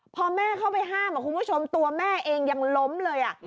พอแม่เข้าไปห้ามคุณผู้ชมตัวแม่เองยังล้มเลย